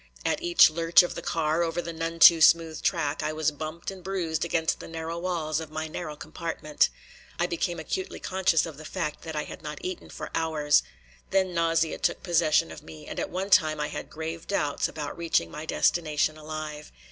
At each lurch of the car over the none too smooth track I was bumped and bruised against the narrow walls of my narrow compartment. I became acutely conscious of the fact that I had not eaten for hours. Then nausea took possession of me, and at one time I had grave doubts about reaching my destination alive.